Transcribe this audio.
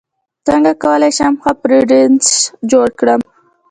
څنګه کولی شم ښه پرزنټیشن جوړ کړم